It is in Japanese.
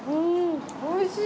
おいしい。